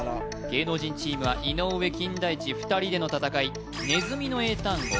芸能人チームは井上金田一２人での戦いねずみの英単語